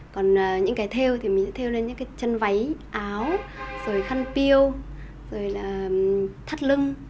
còn những cái theo thì mình sẽ theo lên những cái chân váy áo rồi khăn piêu rồi là thắt lưng